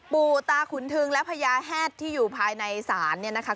ปู่ตาขุนทึงและพญาแฮดที่อยู่ภายในศาลเนี่ยนะคะ